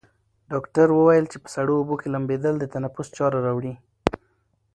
ډاکټره وویل چې په سړو اوبو کې لامبېدل د تنفس چاره راوړي.